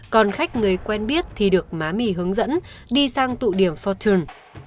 còn khách người quen biết thì được má mì hướng dẫn đi sang thụ điểm fountain